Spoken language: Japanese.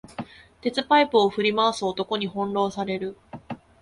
鉄パイプ振り回す男に翻弄される